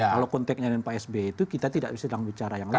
kalau konteknya dengan pak sby itu kita tidak bisa dalam bicara yang lain